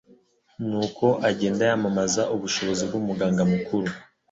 nuko agenda yamamaza ubushobozi bw'Umuganga Mukuru.